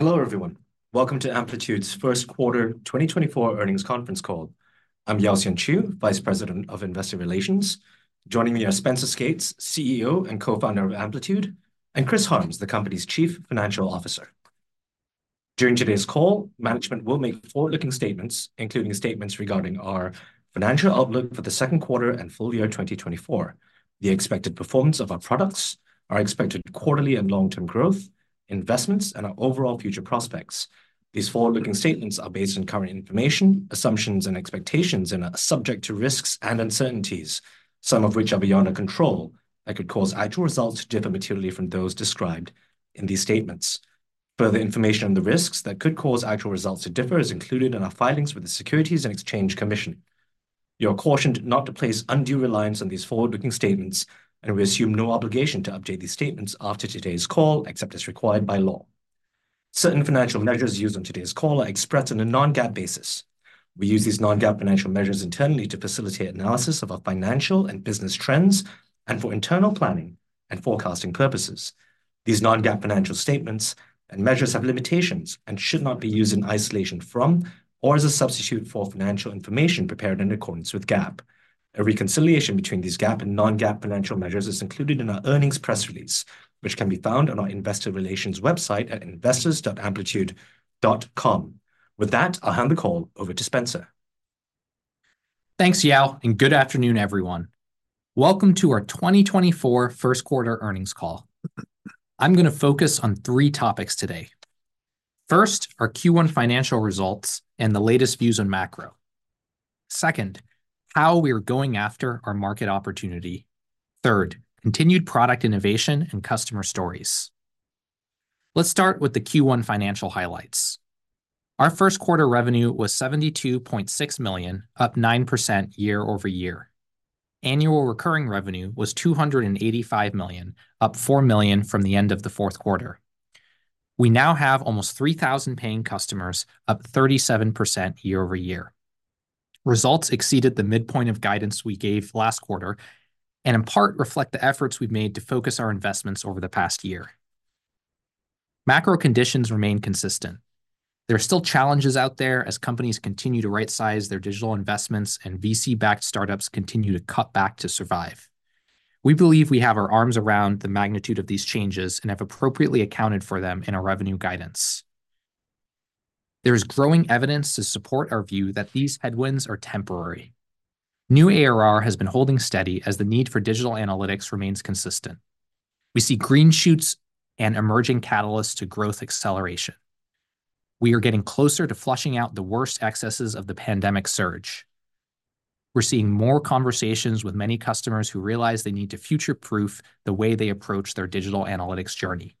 Hello everyone, welcome to Amplitude's first quarter 2024 earnings conference call. I'm Yaoxian Chew, Vice President of Investor Relations. Joining me are Spenser Skates, CEO and co-founder of Amplitude, and Criss Harms, the company's Chief Financial Officer. During today's call, management will make forward-looking statements, including statements regarding our financial outlook for the second quarter and full year 2024, the expected performance of our products, our expected quarterly and long-term growth, investments, and our overall future prospects. These forward-looking statements are based on current information, assumptions, and expectations and are subject to risks and uncertainties, some of which are beyond our control that could cause actual results to differ materially from those described in these statements. Further information on the risks that could cause actual results to differ is included in our filings with the Securities and Exchange Commission. You are cautioned not to place undue reliance on these forward-looking statements, and we assume no obligation to update these statements after today's call except as required by law. Certain financial measures used on today's call are expressed on a non-GAAP basis. We use these non-GAAP financial measures internally to facilitate analysis of our financial and business trends and for internal planning and forecasting purposes. These non-GAAP financial statements and measures have limitations and should not be used in isolation from or as a substitute for financial information prepared in accordance with GAAP. A reconciliation between these GAAP and non-GAAP financial measures is included in our earnings press release, which can be found on our Investor Relations website at investors.amplitude.com. With that, I'll hand the call over to Spenser. Thanks, Yao, and good afternoon, everyone. Welcome to our 2024 first quarter earnings call. I'm going to focus on three topics today. First, our Q1 financial results and the latest views on macro. Second, how we are going after our market opportunity. Third, continued product innovation and customer stories. Let's start with the Q1 financial highlights. Our first quarter revenue was $72.6 million, up 9% year-over-year. Annual recurring revenue was $285 million, up $4 million from the end of the fourth quarter. We now have almost 3,000 paying customers, up 37% year-over-year. Results exceeded the midpoint of guidance we gave last quarter and in part reflect the efforts we've made to focus our investments over the past year. Macro conditions remain consistent. There are still challenges out there as companies continue to right-size their digital investments and VC-backed startups continue to cut back to survive. We believe we have our arms around the magnitude of these changes and have appropriately accounted for them in our revenue guidance. There is growing evidence to support our view that these headwinds are temporary. New ARR has been holding steady as the need for digital analytics remains consistent. We see green shoots and emerging catalysts to growth acceleration. We are getting closer to flushing out the worst excesses of the pandemic surge. We're seeing more conversations with many customers who realize they need to future-proof the way they approach their digital analytics journey.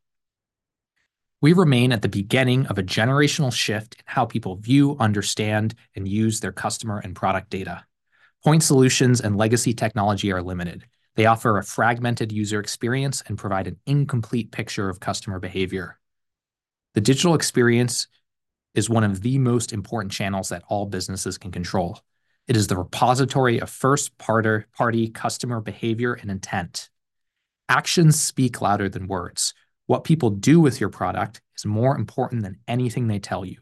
We remain at the beginning of a generational shift in how people view, understand, and use their customer and product data. Point solutions and legacy technology are limited. They offer a fragmented user experience and provide an incomplete picture of customer behavior. The digital experience is one of the most important channels that all businesses can control. It is the repository of first-party customer behavior and intent. Actions speak louder than words. What people do with your product is more important than anything they tell you.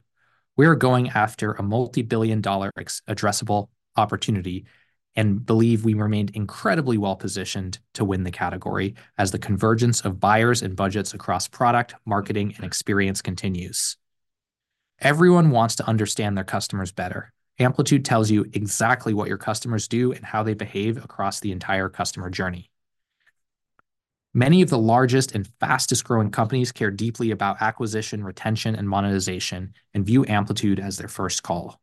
We are going after a multibillion-dollar addressable opportunity and believe we remained incredibly well-positioned to win the category as the convergence of buyers and budgets across product, marketing, and experience continues. Everyone wants to understand their customers better. Amplitude tells you exactly what your customers do and how they behave across the entire customer journey. Many of the largest and fastest-growing companies care deeply about acquisition, retention, and monetization and view Amplitude as their first call.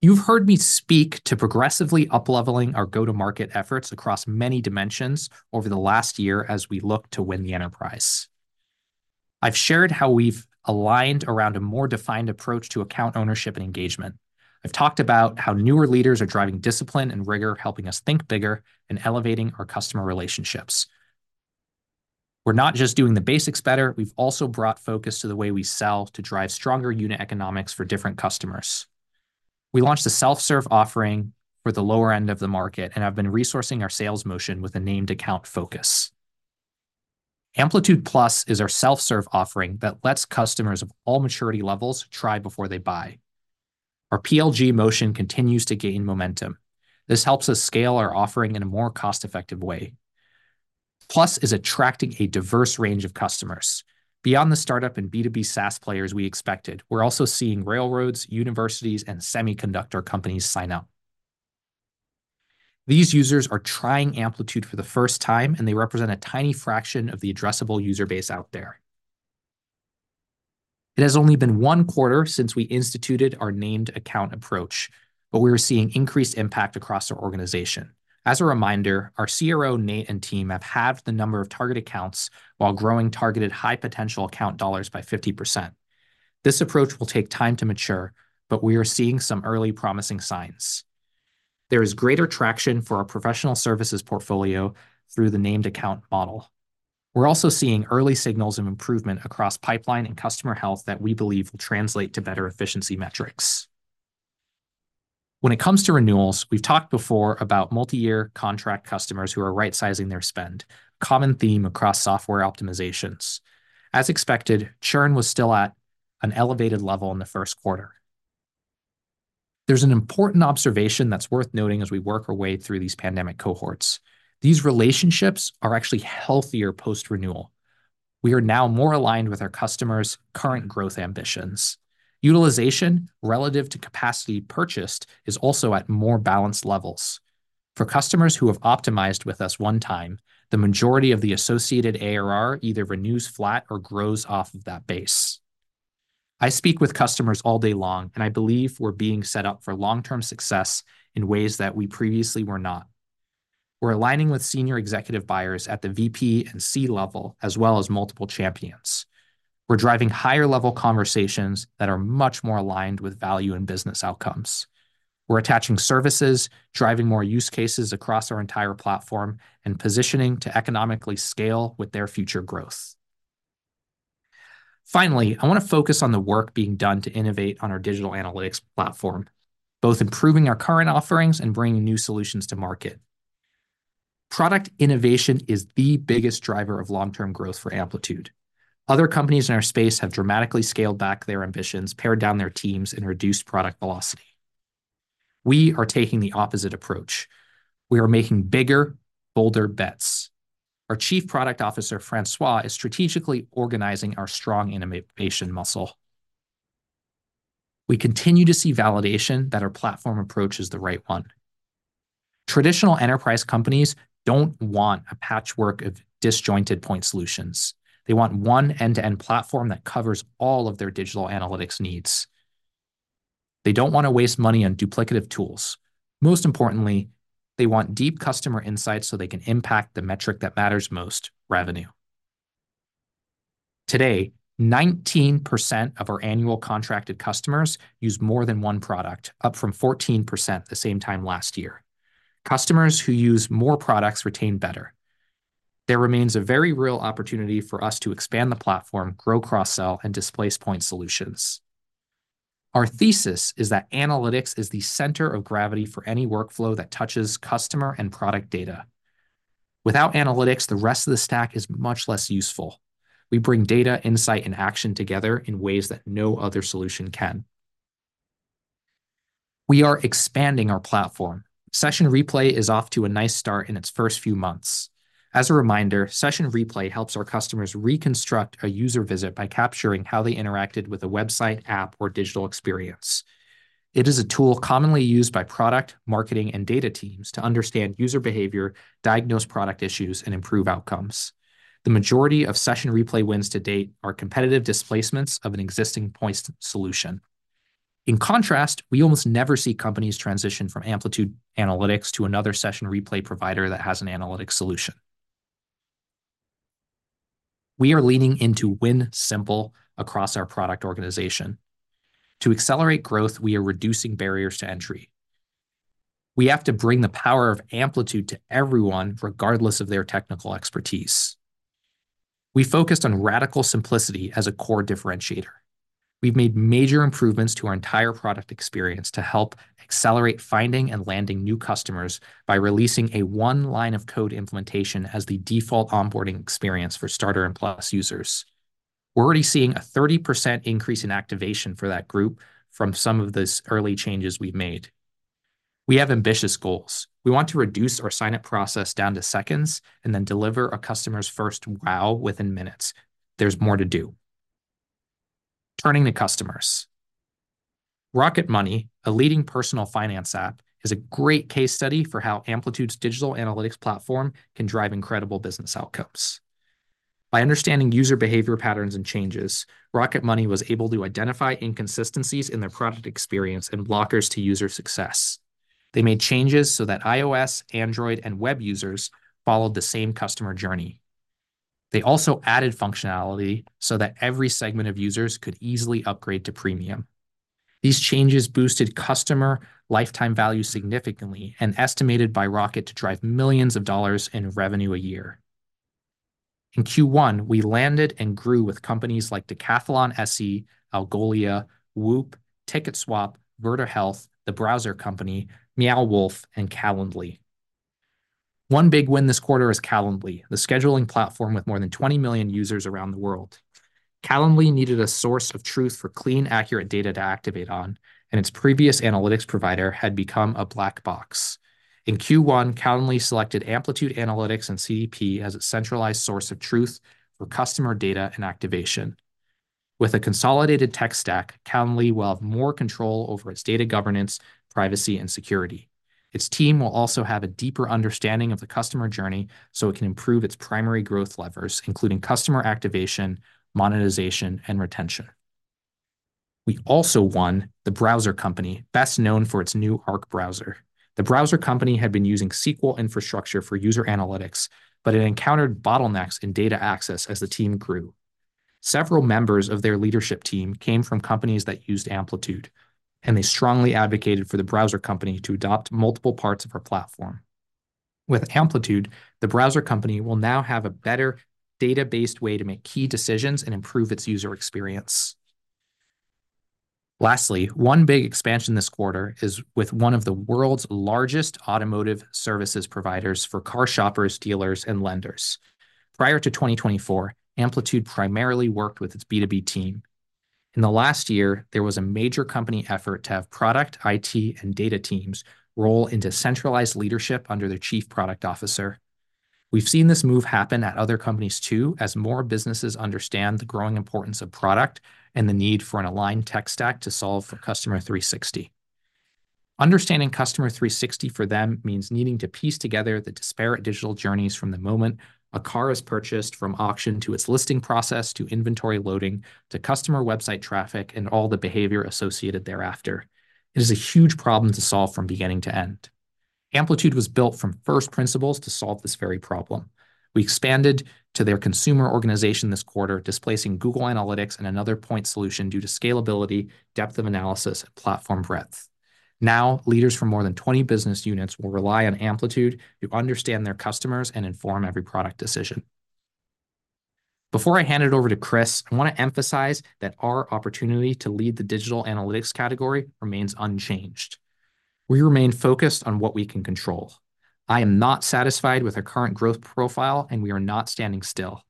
You've heard me speak to progressively up-leveling our go-to-market efforts across many dimensions over the last year as we look to win the enterprise. I've shared how we've aligned around a more defined approach to account ownership and engagement. I've talked about how newer leaders are driving discipline and rigor, helping us think bigger, and elevating our customer relationships. We're not just doing the basics better. We've also brought focus to the way we sell to drive stronger unit economics for different customers. We launched a self-serve offering for the lower end of the market and have been resourcing our sales motion with a named account focus. Amplitude Plus is our self-serve offering that lets customers of all maturity levels try before they buy. Our PLG motion continues to gain momentum. This helps us scale our offering in a more cost-effective way. Plus is attracting a diverse range of customers. Beyond the startup and B2B SaaS players we expected, we're also seeing railroads, universities, and semiconductor companies sign up. These users are trying Amplitude for the first time and they represent a tiny fraction of the addressable user base out there. It has only been one quarter since we instituted our named account approach, but we are seeing increased impact across our organization. As a reminder, our CRO, Nate, and team have halved the number of target accounts while growing targeted high-potential account dollars by 50%. This approach will take time to mature, but we are seeing some early promising signs. There is greater traction for our professional services portfolio through the named account model. We're also seeing early signals of improvement across pipeline and customer health that we believe will translate to better efficiency metrics. When it comes to renewals, we've talked before about multiyear contract customers who are right-sizing their spend, a common theme across software optimizations. As expected, churn was still at an elevated level in the first quarter. There's an important observation that's worth noting as we work our way through these pandemic cohorts. These relationships are actually healthier post-renewal. We are now more aligned with our customers' current growth ambitions. Utilization relative to capacity purchased is also at more balanced levels. For customers who have optimized with us one time, the majority of the associated ARR either renews flat or grows off of that base. I speak with customers all day long and I believe we're being set up for long-term success in ways that we previously were not. We're aligning with senior executive buyers at the VP and C level as well as multiple champions. We're driving higher-level conversations that are much more aligned with value and business outcomes. We're attaching services, driving more use cases across our entire platform, and positioning to economically scale with their future growth. Finally, I want to focus on the work being done to innovate on our digital analytics platform, both improving our current offerings and bringing new solutions to market. Product innovation is the biggest driver of long-term growth for Amplitude. Other companies in our space have dramatically scaled back their ambitions, pared down their teams, and reduced product velocity. We are taking the opposite approach. We are making bigger, bolder bets. Our Chief Product Officer, Francois, is strategically organizing our strong innovation muscle. We continue to see validation that our platform approach is the right one. Traditional enterprise companies don't want a patchwork of disjointed point solutions. They want one end-to-end platform that covers all of their digital analytics needs. They don't want to waste money on duplicative tools. Most importantly, they want deep customer insights so they can impact the metric that matters most: revenue. Today, 19% of our annual contracted customers use more than one product, up from 14% the same time last year. Customers who use more products retain better. There remains a very real opportunity for us to expand the platform, grow cross-sell, and displace point solutions. Our thesis is that analytics is the center of gravity for any workflow that touches customer and product data. Without analytics, the rest of the stack is much less useful. We bring data, insight, and action together in ways that no other solution can. We are expanding our platform. Session Replay is off to a nice start in its first few months. As a reminder, Session Replay helps our customers reconstruct a user visit by capturing how they interacted with a website, app, or digital experience. It is a tool commonly used by product, marketing, and data teams to understand user behavior, diagnose product issues, and improve outcomes. The majority of Session Replay wins to date are competitive displacements of an existing point solution. In contrast, we almost never see companies transition from Amplitude Analytics to another Session Replay provider that has an analytics solution. We are leaning into win simple across our product organization. To accelerate growth, we are reducing barriers to entry. We have to bring the power of Amplitude to everyone, regardless of their technical expertise. We focused on radical simplicity as a core differentiator. We've made major improvements to our entire product experience to help accelerate finding and landing new customers by releasing a one line of code implementation as the default onboarding experience for Starter and Plus users. We're already seeing a 30% increase in activation for that group from some of those early changes we've made. We have ambitious goals. We want to reduce our sign-up process down to seconds and then deliver a customer's first wow within minutes. There's more to do. Turning to customers. Rocket Money, a leading personal finance app, is a great case study for how Amplitude's digital analytics platform can drive incredible business outcomes. By understanding user behavior patterns and changes, Rocket Money was able to identify inconsistencies in their product experience and blockers to user success. They made changes so that iOS, Android, and web users followed the same customer journey. They also added functionality so that every segment of users could easily upgrade to premium. These changes boosted customer lifetime value significantly and estimated by Rocket to drive $millions in revenue a year. In Q1, we landed and grew with companies like Decathlon, Sea, Algolia, Whoop, TicketSwap, Verta Health, The Browser Company, Meow Wolf, and Calendly. One big win this quarter is Calendly, the scheduling platform with more than 20 million users around the world. Calendly needed a source of truth for clean, accurate data to activate on, and its previous analytics provider had become a black box. In Q1, Calendly selected Amplitude Analytics and CDP as a centralized source of truth for customer data and activation. With a consolidated tech stack, Calendly will have more control over its data governance, privacy, and security. Its team will also have a deeper understanding of the customer journey so it can improve its primary growth levers, including customer activation, monetization, and retention. We also won The Browser Company, best known for its new Arc browser. The Browser Company had been using SQL infrastructure for user analytics, but it encountered bottlenecks in data access as the team grew. Several members of their leadership team came from companies that used Amplitude, and they strongly advocated for the Browser Company to adopt multiple parts of our platform. With Amplitude, the Browser Company will now have a better database way to make key decisions and improve its user experience. Lastly, one big expansion this quarter is with one of the world's largest automotive services providers for car shoppers, dealers, and lenders. Prior to 2024, Amplitude primarily worked with its B2B team. In the last year, there was a major company effort to have product, IT, and data teams roll into centralized leadership under their Chief Product Officer. We've seen this move happen at other companies too as more businesses understand the growing importance of product and the need for an aligned tech stack to solve for Customer 360. Understanding Customer 360 for them means needing to piece together the disparate digital journeys from the moment a car is purchased, from auction to its listing process to inventory loading to customer website traffic and all the behavior associated thereafter. It is a huge problem to solve from beginning to end. Amplitude was built from first principles to solve this very problem. We expanded to their consumer organization this quarter, displacing Google Analytics and another point solution due to scalability, depth of analysis, and platform breadth. Now, leaders from more than 20 business units will rely on Amplitude to understand their customers and inform every product decision. Before I hand it over to Criss, I want to emphasize that our opportunity to lead the digital analytics category remains unchanged. We remain focused on what we can control. I am not satisfied with our current growth profile, and we are not standing still.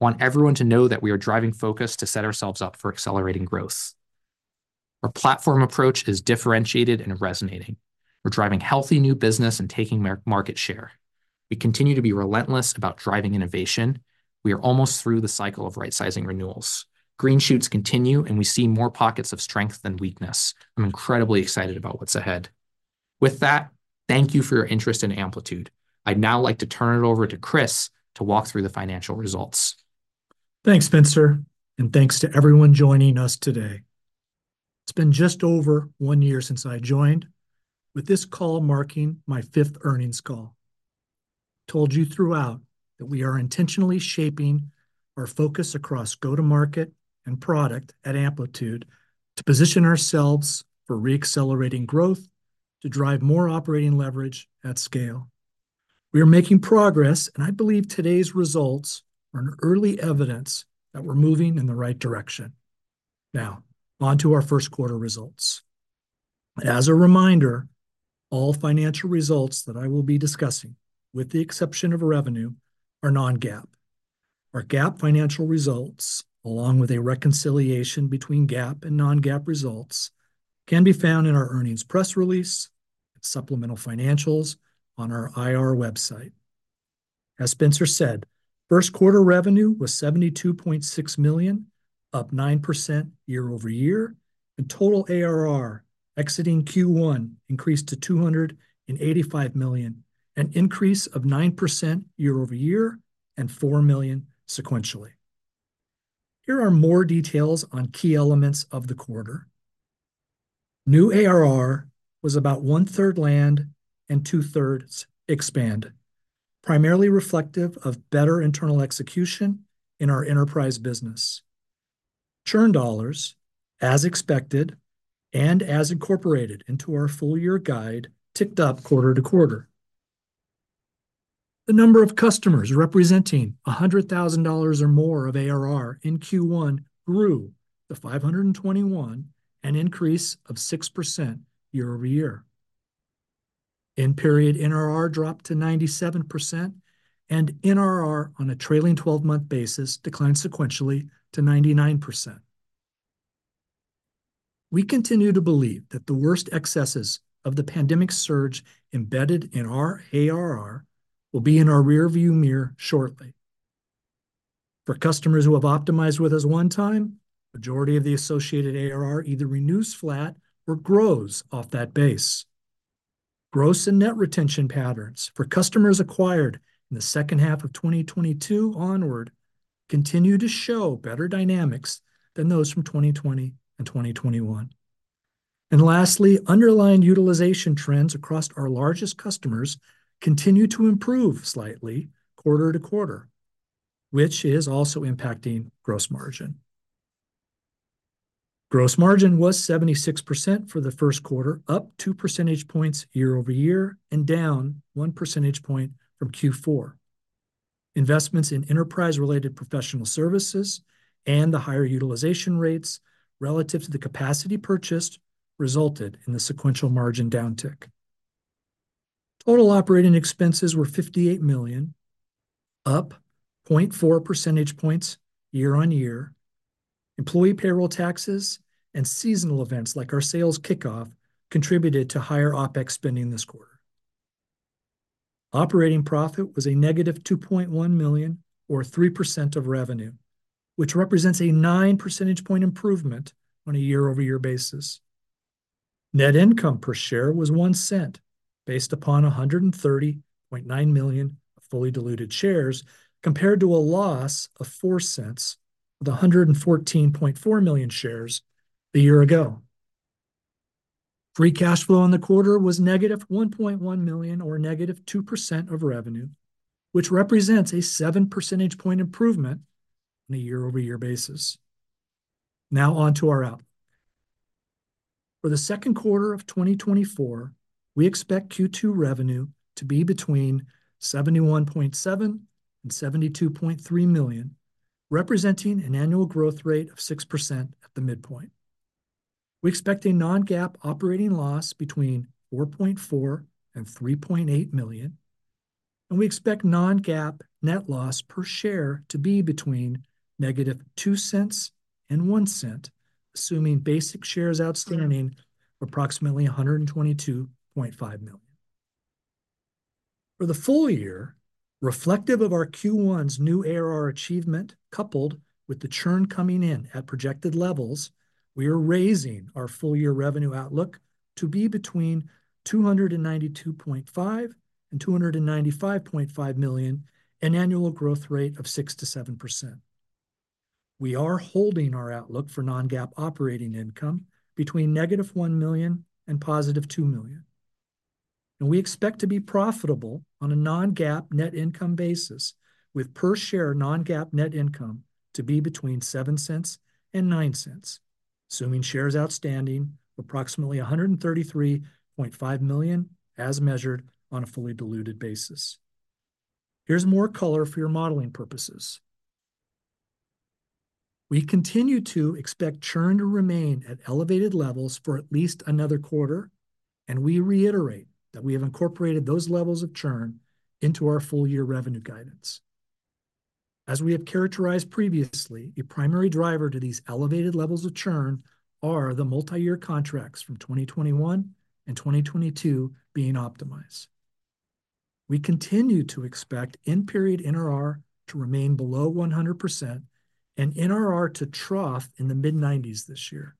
I want everyone to know that we are driving focus to set ourselves up for accelerating growth. Our platform approach is differentiated and resonating. We're driving healthy new business and taking market share. We continue to be relentless about driving innovation. We are almost through the cycle of right-sizing renewals. Green shoots continue, and we see more pockets of strength than weakness. I'm incredibly excited about what's ahead. With that, thank you for your interest in Amplitude. I'd now like to turn it over to Criss to walk through the financial results. Thanks, Spenser. Thanks to everyone joining us today. It's been just over one year since I joined, with this call marking my fifth earnings call. I told you throughout that we are intentionally shaping our focus across go-to-market and product at Amplitude to position ourselves for reaccelerating growth, to drive more operating leverage at scale. We are making progress, and I believe today's results are an early evidence that we're moving in the right direction. Now, on to our first quarter results. As a reminder, all financial results that I will be discussing, with the exception of revenue, are non-GAAP. Our GAAP financial results, along with a reconciliation between GAAP and non-GAAP results, can be found in our earnings press release and supplemental financials on our IR website. As Spenser said, first quarter revenue was $72.6 million, up 9% year-over-year, and total ARR exiting Q1 increased to $285 million, an increase of 9% year-over-year and $4 million sequentially. Here are more details on key elements of the quarter. New ARR was about one-third land and two-thirds expand, primarily reflective of better internal execution in our enterprise business. Churn dollars, as expected and as incorporated into our full-year guide, ticked up quarter-over-quarter. The number of customers representing $100,000 or more of ARR in Q1 grew to 521, an increase of 6% year-over-year. In-period NRR dropped to 97%, and NRR on a trailing 12-month basis declined sequentially to 99%. We continue to believe that the worst excesses of the pandemic surge embedded in our ARR will be in our rearview mirror shortly. For customers who have optimized with us one time, the majority of the associated ARR either renews flat or grows off that base. Gross and net retention patterns for customers acquired in the second half of 2022 onward continue to show better dynamics than those from 2020 and 2021. And lastly, underlying utilization trends across our largest customers continue to improve slightly quarter to quarter, which is also impacting gross margin. Gross margin was 76% for the first quarter, up 2 percentage points year-over-year and down 1 percentage point from Q4. Investments in enterprise-related professional services and the higher utilization rates relative to the capacity purchased resulted in the sequential margin downtick. Total operating expenses were $58 million, up 0.4 percentage points year-over-year. Employee payroll taxes and seasonal events like our sales kickoff contributed to higher OpEx spending this quarter. Operating profit was -$2.1 million or 3% of revenue, which represents a 9 percentage point improvement on a year-over-year basis. Net income per share was $0.01 based upon 130.9 million of fully diluted shares compared to a loss of $0.04 of the 114.4 million shares the year ago. Free cash flow in the quarter was -$1.1 million or -2% of revenue, which represents a 7 percentage point improvement on a year-over-year basis. Now on to our outlook. For the second quarter of 2024, we expect Q2 revenue to be between $71.7-$72.3 million, representing an annual growth rate of 6% at the midpoint. We expect a non-GAAP operating loss between $4.4-$3.8 million, and we expect non-GAAP net loss per share to be between -$0.02 and $0.01, assuming basic shares outstanding approximately 122.5 million. For the full year, reflective of our Q1's new ARR achievement coupled with the churn coming in at projected levels, we are raising our full-year revenue outlook to be between $292.5 and $295.5 million, an annual growth rate of 6%-7%. We are holding our outlook for non-GAAP operating income between -$1 million and $2 million. And we expect to be profitable on a non-GAAP net income basis, with per-share non-GAAP net income to be between $0.07 and $0.09, assuming shares outstanding approximately 133.5 million as measured on a fully diluted basis. Here's more color for your modeling purposes. We continue to expect churn to remain at elevated levels for at least another quarter, and we reiterate that we have incorporated those levels of churn into our full-year revenue guidance. As we have characterized previously, a primary driver to these elevated levels of churn are the multi-year contracts from 2021 and 2022 being optimized. We continue to expect in-period NRR to remain below 100% and NRR to trough in the mid-90s this year.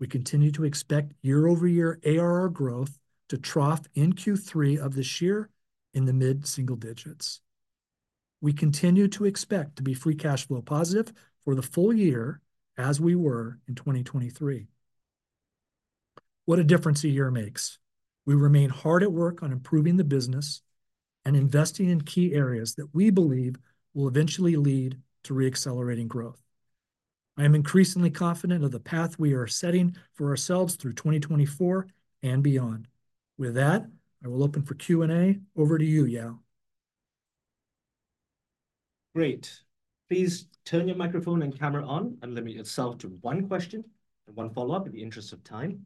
We continue to expect year-over-year ARR growth to trough in Q3 of this year in the mid-single digits. We continue to expect to be free cash flow positive for the full year as we were in 2023. What a difference a year makes. We remain hard at work on improving the business and investing in key areas that we believe will eventually lead to reaccelerating growth. I am increasingly confident of the path we are setting for ourselves through 2024 and beyond. With that, I will open for Q&A. Over to you, Yao. Great. Please turn your microphone and camera on and limit yourself to one question and one follow-up in the interest of time.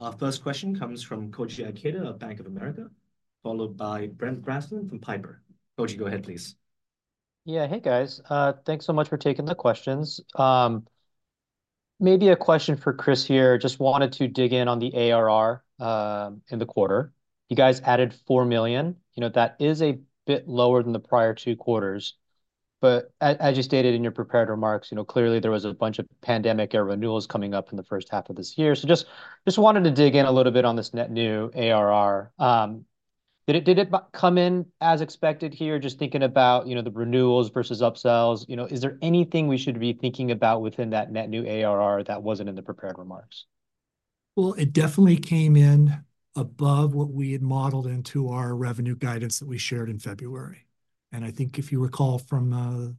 Our first question comes from Koji Ikeda of Bank of America, followed by Brent Bracelin from Piper. Koji, go ahead, please. Yeah. Hey, guys. Thanks so much for taking the questions. Maybe a question for Criss here. Just wanted to dig in on the ARR in the quarter. You guys added $4 million. You know, that is a bit lower than the prior two quarters. But as you stated in your prepared remarks, you know, clearly there was a bunch of pandemic-era renewals coming up in the first half of this year. So just wanted to dig in a little bit on this net new ARR. Did it come in as expected here? Just thinking about, you know, the renewals versus upsells, you know, is there anything we should be thinking about within that net new ARR that wasn't in the prepared remarks? Well, it definitely came in above what we had modeled into our revenue guidance that we shared in February. And I think if you recall from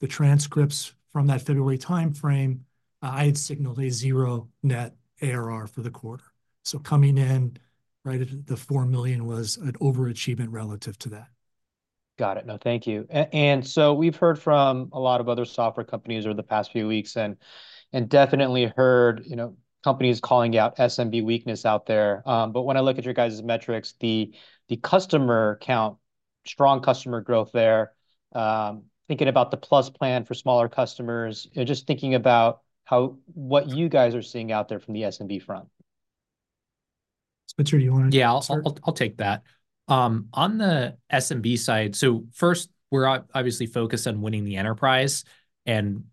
the transcripts from that February time frame, I had signaled a zero net ARR for the quarter. So coming in right at the $4 million was an overachievement relative to that. Got it. No, thank you. And so we've heard from a lot of other software companies over the past few weeks and definitely heard, you know, companies calling out SMB weakness out there. But when I look at your guys' metrics, the customer count, strong customer growth there, thinking about the Plus plan for smaller customers, just thinking about what you guys are seeing out there from the SMB front. Spenser, do you want to answer? Yeah, I'll take that. On the SMB side, so first, we're obviously focused on winning the enterprise. And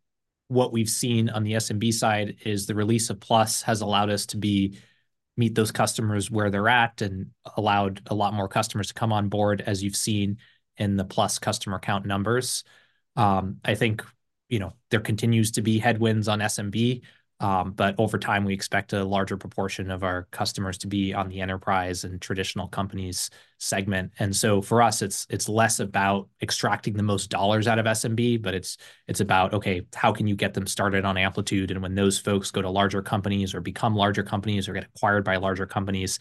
what we've seen on the SMB side is the release of Plus has allowed us to meet those customers where they're at and allowed a lot more customers to come on board, as you've seen in the Plus customer count numbers. I think, you know, there continues to be headwinds on SMB, but over time, we expect a larger proportion of our customers to be on the enterprise and traditional companies segment. And so for us, it's less about extracting the most dollars out of SMB, but it's about, okay, how can you get them started on Amplitude and when those folks go to larger companies or become larger companies or get acquired by larger companies,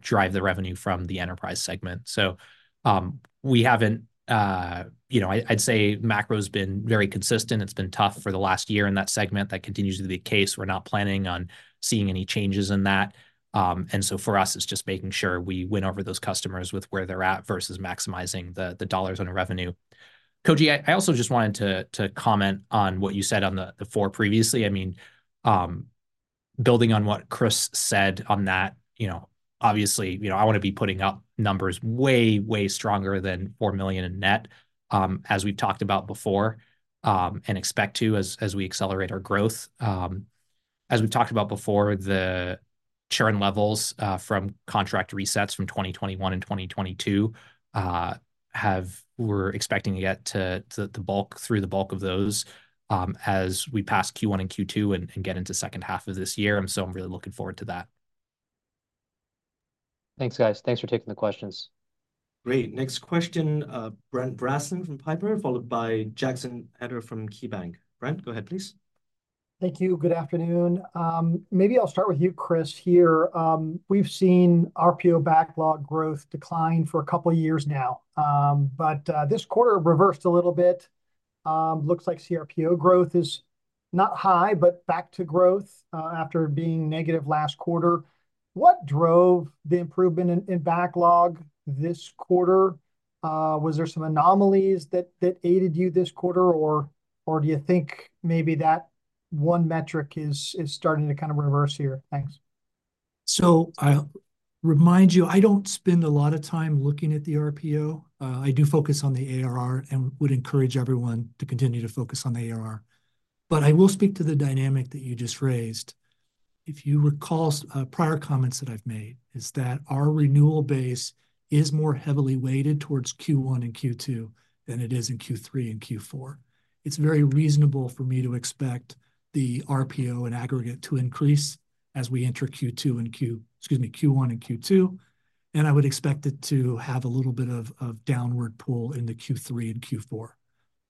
drive the revenue from the enterprise segment. So we haven't, you know, I'd say macro has been very consistent. It's been tough for the last year in that segment. That continues to be the case. We're not planning on seeing any changes in that. And so for us, it's just making sure we win over those customers with where they're at versus maximizing the dollars on revenue. Koji, I also just wanted to comment on what you said on the 4 previously. I mean, building on what Criss said on that, you know, obviously, you know, I want to be putting up numbers way, way stronger than $4 million in net, as we've talked about before, and expect to as we accelerate our growth. As we've talked about before, the churn levels from contract resets from 2021 and 2022 have, we're expecting to get to the bulk of those as we pass Q1 and Q2 and get into second half of this year. And so I'm really looking forward to that. Thanks, guys. Thanks for taking the questions. Great. Next question, Brent Bracelin from Piper Sandler, followed by Jackson Ader from KeyBanc. Brent, go ahead, please. Thank you. Good afternoon. Maybe I'll start with you, Criss, here. We've seen RPO backlog growth decline for a couple of years now, but this quarter reversed a little bit. Looks like CRPO growth is not high, but back to growth after being negative last quarter. What drove the improvement in backlog this quarter? Was there some anomalies that aided you this quarter, or do you think maybe that one metric is starting to kind of reverse here? Thanks. So I'll remind you, I don't spend a lot of time looking at the RPO. I do focus on the ARR and would encourage everyone to continue to focus on the ARR. But I will speak to the dynamic that you just raised. If you recall prior comments that I've made, is that our renewal base is more heavily weighted towards Q1 and Q2 than it is in Q3 and Q4. It's very reasonable for me to expect the RPO in aggregate to increase as we enter Q2 and Q, excuse me, Q1 and Q2. And I would expect it to have a little bit of downward pull in the Q3 and Q4.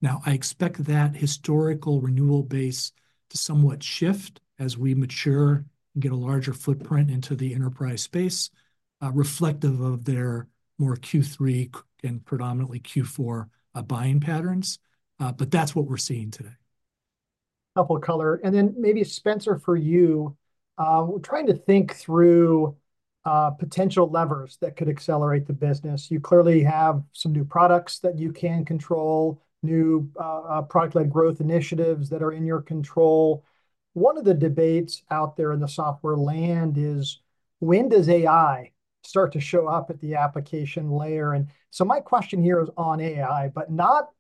Now, I expect that historical renewal base to somewhat shift as we mature and get a larger footprint into the enterprise space, reflective of their more Q3 and predominantly Q4 buying patterns. But that's what we're seeing today. couple of color. And then maybe, Spenser, for you, trying to think through potential levers that could accelerate the business. You clearly have some new products that you can control, new product-led growth initiatives that are in your control. One of the debates out there in the softw are land is, when does AI start to show up at the application layer? And so my question here is on AI, but not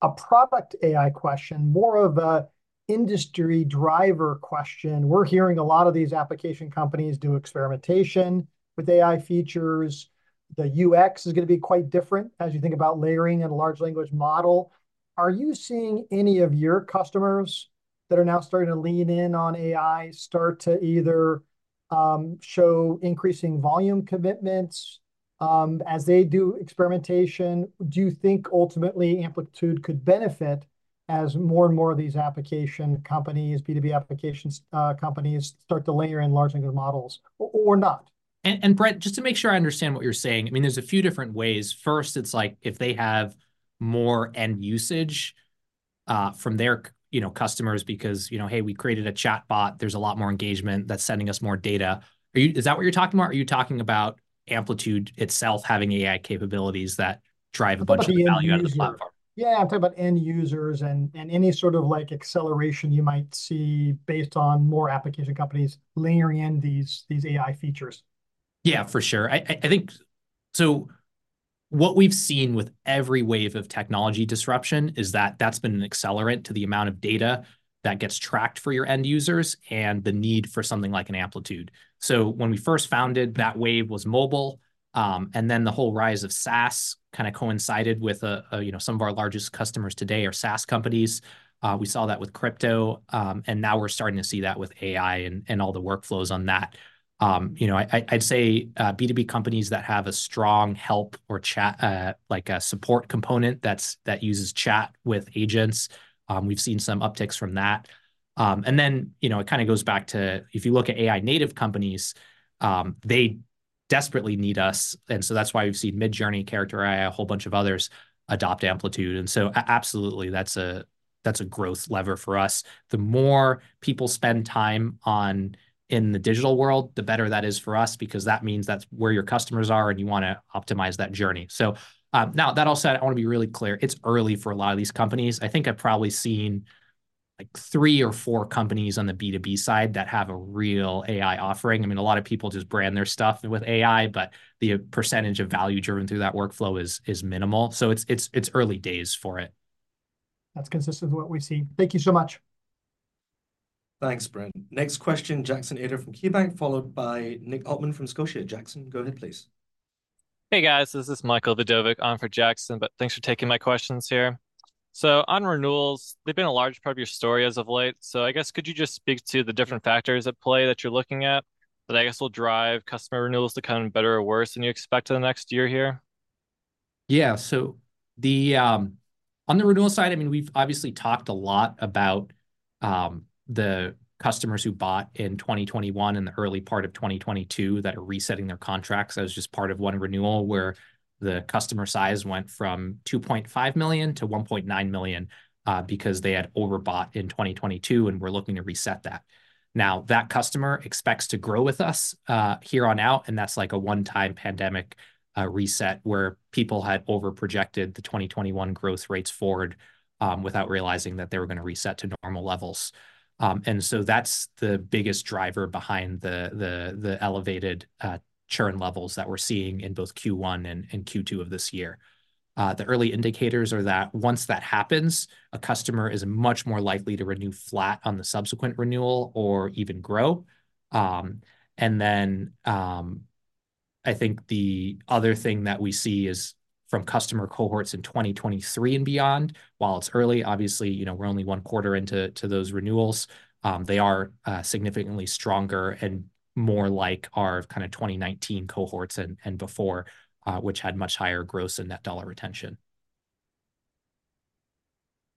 a product AI question, more of an industry driver question. We're hearing a lot of these application companies do experimentation with AI features. The UX is going to be quite different as you think about layering in a large language model. Are you seeing any of your customers that are now starting to lean in on AI start to either show increasing volume commitments as they do experimentation? Do you think ultimately Amplitude could benefit as more and more of these application companies, B2B application companies, start to layer in large language models or not? Brent, just to make sure I understand what you're saying, I mean, there's a few different ways. First, it's like if they have more end usage from their customers because, you know, hey, we created a chatbot, there's a lot more engagement that's sending us more data. Is that what you're talking about? Are you talking about Amplitude itself having AI capabilities that drive a bunch of value out of the platform? Yeah, I'm talking about end users and any sort of acceleration you might see based on more application companies layering in these AI features. Yeah, for sure. So what we've seen with every wave of technology disruption is that that's been an accelerant to the amount of data that gets tracked for your end users and the need for something like an Amplitude. So when we first founded, that wave was mobile. And then the whole rise of SaaS kind of coincided with some of our largest customers today are SaaS companies. We saw that with crypto. And now we're starting to see that with AI and all the workflows on that. You know, I'd say B2B companies that have a strong help or chat, like a support component that uses chat with agents, we've seen some upticks from that. And then, you know, it kind of goes back to if you look at AI-native companies, they desperately need us. And so that's why we've seen Midjourney, Character AI, a whole bunch of others adopt Amplitude. And so absolutely, that's a growth lever for us. The more people spend time in the digital world, the better that is for us becau se that means that's where your customers are and you want to optimize that journey. So now that all said, I want to be really clear. It's early for alot of these companies. I think I've probably seen like three or four companies on the B2B side that have a real AI offering. I mean, a lot of people just brand their stuff with AI, but the percentage of value driven through that workflow is minimal. So it's early days for it. That's consistent with what we've seen. Thank you so much. Thanks, Brent. Next question, Jackson Ader from KeyBanc, followed by Nick Altman from Scotia. Jackson, go ahead, please. Hey, guys. This is Michael Vidovic. I'm for Jackson, but thanks for taking my questions here. On renewals, they've been a large part of your story as of late. I guess could you just speak to the different factors at play that you're looking at that I guess will drive customer renewals to come better or worse than you expect in the next year here? Yeah. So on the renewal side, I mean, we've obviously talked a lot about the customers who bought in 2021 and the early part of 2022 that are resetting their contracts. That was just part of one renewal where the customer size went from $2.5 million to $1.9 million because they had overbought in 2022 and we're looking to reset that. Now, that customer expects to grow with us here on out. And that's like a one-time pandemic reset where people had overprojected the 2021 growth rates forward without realizing that they were going to reset to normal levels. And so that's the biggest driver behind the elevated churn levels that we're seeing in both Q1 and Q2 of this year. The early indicators are that once that happens, a customer is much more likely to renew flat on the subsequent renewal or even grow. And then I think the other thing that we see is from customer cohorts in 2023 and beyond, while it's early, obviously, you know, we're only one quarter into those renewals, they are significantly stronger and more like our kind of 2019 cohorts and before, which had much higher growth and net dollar retention.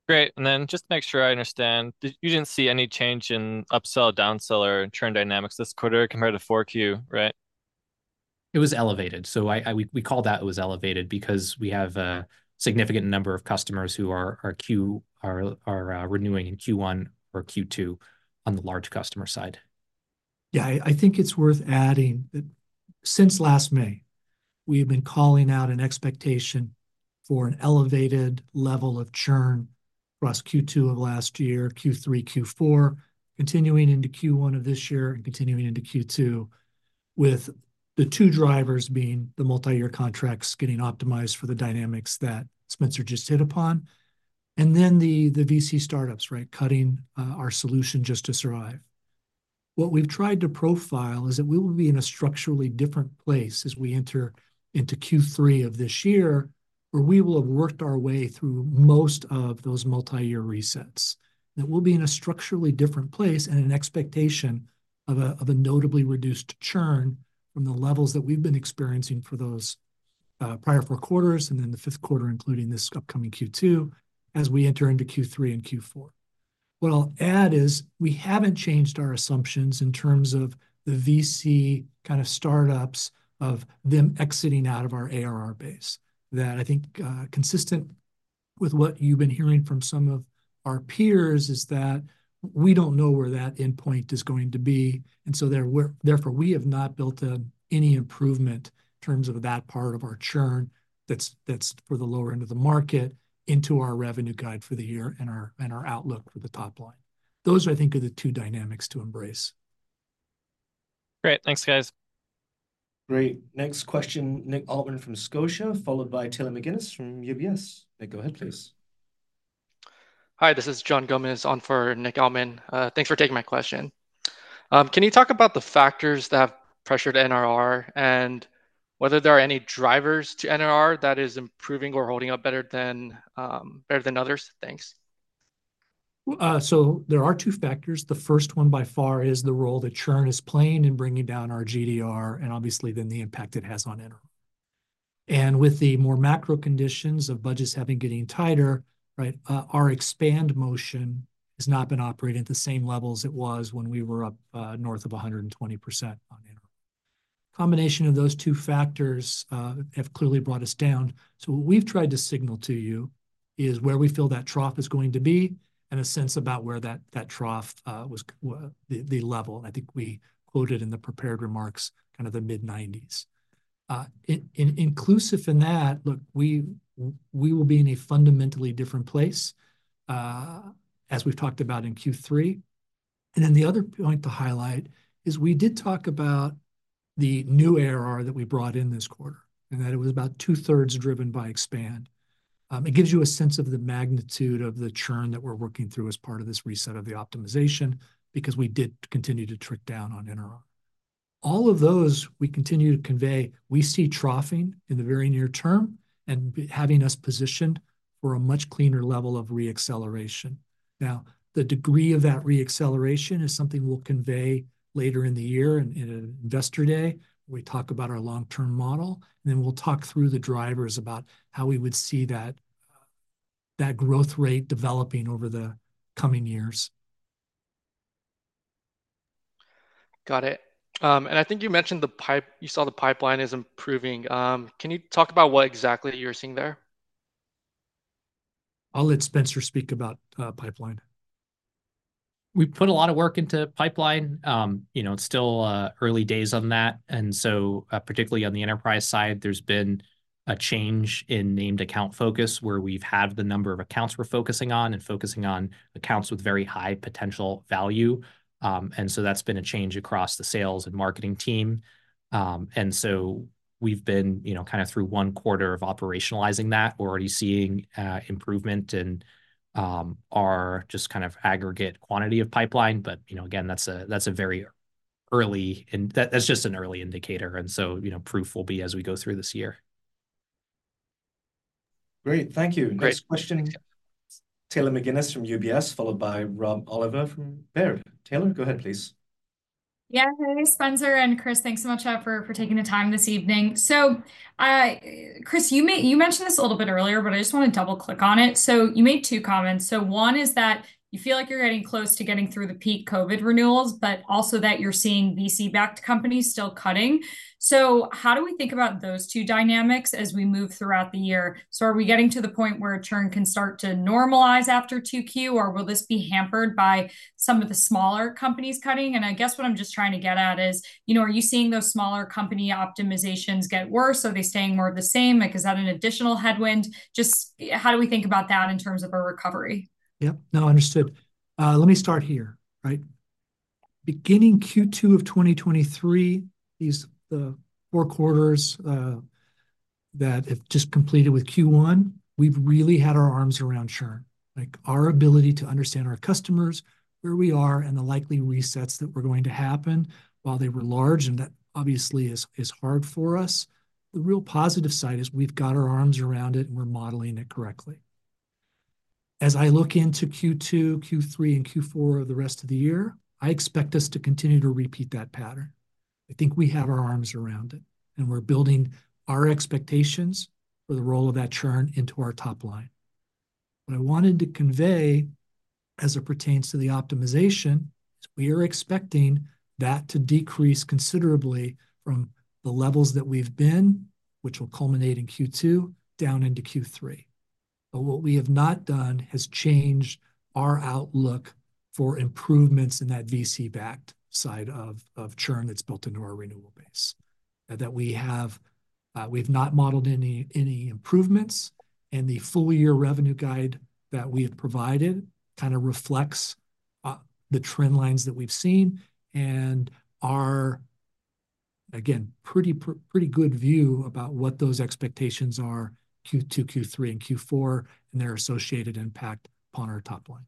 Great. And then just to make sure I understand, you didn't see any change in upsell, downsell, or churn dynamics this quarter compared to 4Q, right? It was elevated. So we call that it was elevated because we have a significant number of customers who are renewing in Q1 or Q2 on the large customer side. Yeah, I think it's worth adding that since last May, we have been calling out an expectation for an elevated level of churn across Q2 of last year, Q3, Q4, continuing into Q1 of this year and continuing into Q2, with the two drivers being the multi-year contracts getting optimized for the dynamics that Spenser just hit upon. And then the VC startups, right, cutting our solution just to survive. What we've tried to profile is that we will be in a structurally different place as we enter into Q3 of this year where we will have worked our way through most of those multi-year resets. That we'll be in a structurally different place and an expectation of a notably reduced churn from the levels that we've been experiencing for those prior four quarters and then the fifth quarter, including this upcoming Q2, as we enter into Q3 and Q4. What I'll add is we haven't changed our assumptions in terms of the VC kind of startups of them exiting out of our ARR base. That, I think, consistent with what you've been hearing from some of our peers is that we don't know where that endpoint is going to be. And so therefore, we have not built any improvement in terms of that part of our churn that's for the lower end of the market into our revenue guide for the year and our outlook for the top line. Those, I think, are the two dynamics to embrace. Great. Thanks, guys. Great. Next question, Nick Altman from Scotia, followed by Taylor McGinnis from UBS. Nick, go ahead, please. Hi, this is John Gomez on for Nick Altman. Thanks for taking my question. Can you talk about the factors that have pressured NRR and whether there are any drivers to NRR that is improving or holding up better than others? Thanks. So there are two factors. The first one by far is the role that churn is playing in bringing down our GDR and obviously then the impact it has on NRR. And with the more macro conditions of budgets having been getting tighter, right, our expand motion has not been operating at the same levels it was when we were up north of 120% on NRR. Combination of those two factors have clearly brought us down. So what we've tried to signal to you is where we feel that trough is going to be and a sense about where that trough was the level. And I think we quoted in the prepared remarks kind of the mid-90s. Inclusive in that, look, we will be in a fundamentally different place as we've talked about in Q3. The other point to highlight is we did talk about the new ARR that we brought in this quarter and that it was about two-thirds driven by expand. It gives you a sense of the magnitude of the churn that we're working through as part of this reset of the optimization because we did continue to tick down on NRR. All of those, we continue to convey, we see troughing in the very near term and having us positioned for a much cleaner level of reacceleration. Now, the degree of that reacceleration is something we'll convey later in the year in Investor Day when we talk about our long-term model. And then we'll talk through the drivers about how we would see that growth rate developing over the coming years. Got it. And I think you mentioned the pipeline you saw, the pipeline is improving. Can you talk about what exactly you're seeing there? I'll let Spenser speak about pipeline. We put a lot of work into pipeline. You know, it's still early days on that. So particularly on the enterprise side, there's been a change in named account focus where we've had the number of accounts we're focusing on and focusing on accounts with very high potential value. So that's been a change across the sales and marketing team. So we've been kind of through one quarter of operationalizing that. We're already seeing improvement in our just kind of aggregate quantity of pipeline. But again, that's just an early indicator. So proof will be as we go through this year. Great. Thank you. Next question, Taylor McGinnis from UBS, followed by Rob Oliver from Baird. Taylor, go ahead, please. Yeah, hey, Spenser and Criss, thanks so much for taking the time this evening. So Criss, you mentioned this a little bit earlier, but I just want to double-click on it. So you made two comments. So one is that you feel like you're getting close to getting through the peak COVID renewals, but also that you're seeing VC-backed companies still cutting. So how do we think about those two dynamics as we move throughout the year? So are we getting to the point where churn can start to normalize after 2Q, or will this be hampered by some of the smaller companies cutting? And I guess what I'm just trying to get at is, you know, are you seeing those smaller company optimizations get worse? Are they staying more of the same? Is that an additional headwind? Just how do we think about that in terms of our recovery? Yep. No, understood. Let me start here, right? Beginning Q2 of 2023, the four quarters that have just completed with Q1, we've really had our arms around churn. Our ability to understand our customers, where we are, and the likely resets that we're going to happen while they were large, and that obviously is hard for us. The real positive side is we've got our arms around it and we're modeling it correctly. As I look into Q2, Q3, and Q4 of the rest of the year, I expect us to continue to repeat that pattern. I think we have our arms around it and we're building our expectations for the role of that churn into our top line. What I wanted to convey as it pertains to the optimization is we are expecting that to decrease considerably from the levels that we've been, which will culminate in Q2, down into Q3. But what we have not done has changed our outlook for improvements in that VC-backed side of churn that's built into our renewal base. That we have not modeled any improvements. The full-year revenue guide that we have provided kind of reflects the trend lines that we've seen and our, again, pretty good view about what those expectations are Q2, Q3, and Q4 and their associated impact upon our top line.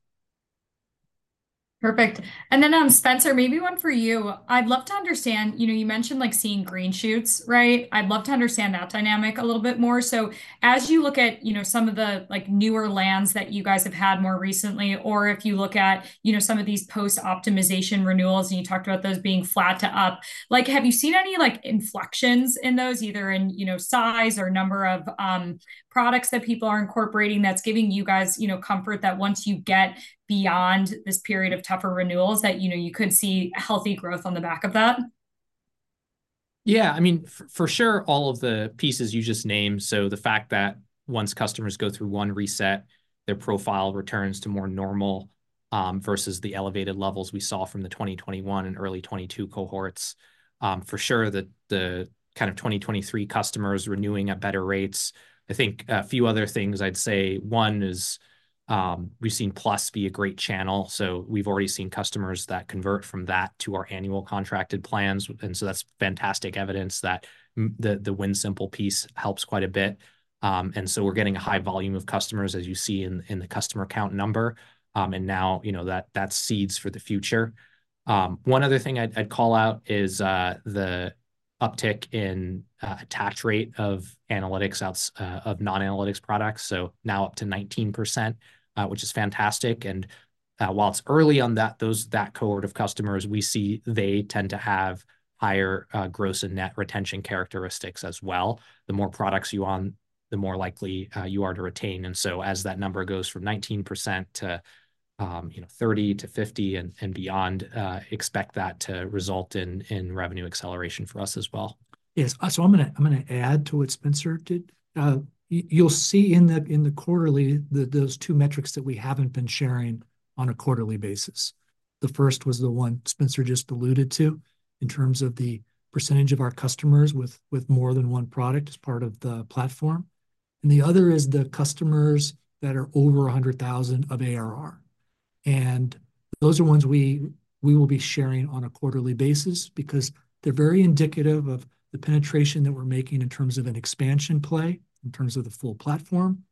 Perfect. And then, Spenser, maybe one for you. I'd love to understand, you know, you mentioned seeing green shoots, right? I'd love to understand that dynamic a little bit more. So as you look at some of the newer lands that you guys have had more recently, or if you look at some of these post-optimization renewals, and you talked about those being flat to up, have you seen any inflections in those, either in size or number of products that people are incorporating that's giving you guys comfort that once you get beyond this period of tougher renewals, that you could see healthy growth on the back of that? Yeah. I mean, for sure, all of the pieces you just named. So the fact that once customers go through one reset, their profile returns to more normal versus the elevated levels we saw from the 2021 and early 2022 cohorts. For sure, the kind of 2023 customers renewing at better rates. I think a few other things I'd say. One is we've seen Plus be a great channel. So we've already seen customers that convert from that to our annual contracted plans. And so that's fantastic evidence that the win simple piece helps quite a bit. And so we're getting a high volume of customers, as you see in the customer count number. And now that seeds for the future. One other thing I'd call out is the uptick in attach rate of analytics out of non-analytics products. So now up to 19%, which is fantastic. While it's early on that cohort of customers, we see they tend to have higher gross and net retention characteristics as well. The more products you own, the more likely you are to retain. And so as that number goes from 19% to 30% to 50% and beyond, expect that to result in revenue acceleration for us as well. Yes. So I'm going to add to what Spenser did. You'll see in the quarterly those two metrics that we haven't been sharing on a quarterly basis. The first was the one Spenser just alluded to in terms of the percentage of our customers with more than one product as part of the platform. And the other is the customers that are over 100,000 of ARR. And those are ones we will be sharing on a quarterly basis because they're very indicative of the penetration that we're making in terms of an expansion play in terms of the full platform.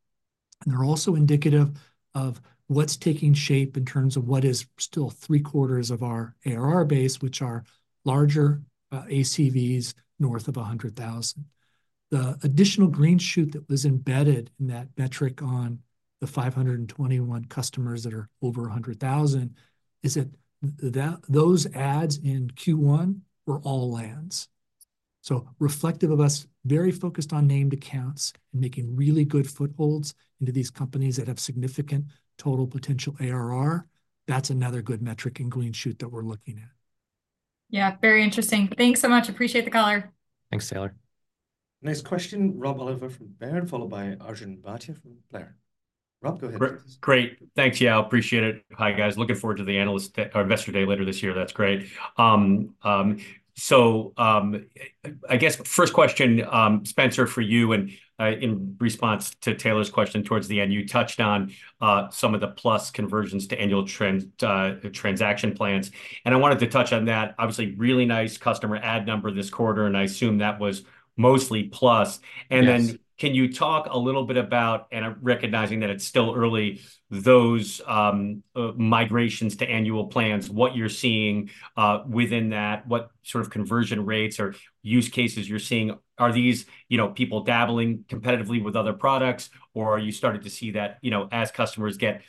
And they're also indicative of what's taking shape in terms of what is still three-quarters of our ARR base, which are larger ACVs north of 100,000. The additional green shoot that was embedded in that metric on the 521 customers that are over 100,000 is that those adds in Q1 were all lands. So reflective of us very focused on named accounts and making really good footholds into these companies that have significant total potential ARR, that's another good metric and green shoot that we're looking at. Yeah, very interesting. Thanks so much. Appreciate the caller. Thanks, Taylor. Next question, Rob Oliver from Baird, followed by Arjun Bhatia from Blair. Rob, go ahead. Great. Thanks, Yale. Appreciate it. Hi, guys. Looking forward to the Investor Day later this year. That's great. So I guess first question, Spenser, for you. And in response to Taylor's question towards the end, you touched on some of the Plus conversions to annual transaction plans. And I wanted to touch on that. Obviously, really nice customer add number this quarter, and I assume that was mostly Plus. And then can you talk a little bit about, and recognizing that it's still early, those migrations to annual plans, what you're seeing within that, what sort of conversion rates or use cases you're seeing? Are these people dabbling competitively with other products, or are you starting to see that as customers get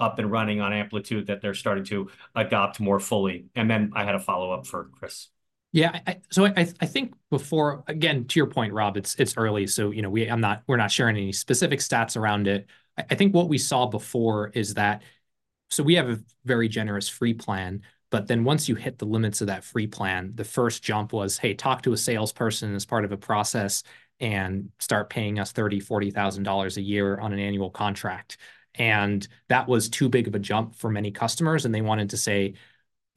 up and running on Amplitude that they're starting to adopt more fully? And then I had a follow-up for Criss. Yeah. So I think before, again, to your point, Rob, it's early. So we're not sharing any specific stats around it. I think what we saw before is that so we have a very generous free plan. But then once you hit the limits of that free plan, the first jump was, hey, talk to a salesperson as part of a process and start paying us $30,000, $40,000 a year on an annual contract. And that was too big of a jump for many customers. And they wanted to say,